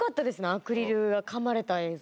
アクリルがかまれた映像。